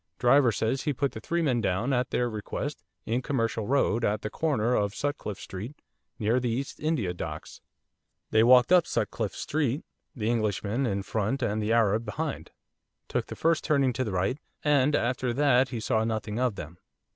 Driver says he put the three men down, at their request, in Commercial Road, at the corner of Sutcliffe Street, near the East India Docks. They walked up Sutcliffe Street, the Englishmen in front, and the Arab behind, took the first turning to the right, and after that he saw nothing of them.